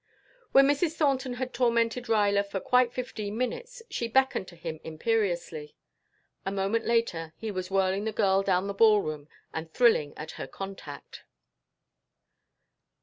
When Mrs. Thornton had tormented Ruyler for quite fifteen minutes she beckoned to him imperiously. A moment later he was whirling the girl down the ball room and thrilling at her contact.